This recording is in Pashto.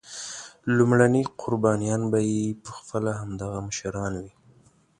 لومړني قربانیان به یې پخپله همدغه مشران وي.